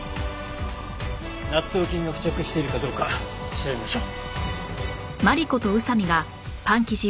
納豆菌が付着しているかどうか調べましょう。